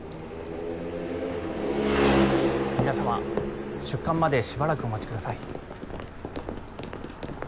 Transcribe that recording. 皆様出棺までしばらくお待ちください。